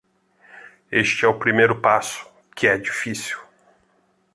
Este é o primeiro passo, que é difícil.